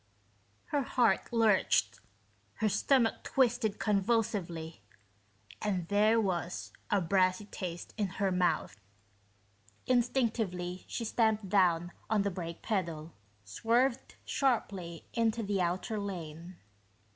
Her heart lurched, her stomach twisted convulsively, and there was a brassy taste in her mouth. Instinctively, she stamped down on the brake pedal, swerved sharply into the outer lane.